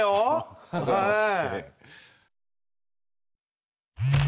ありがとうございます。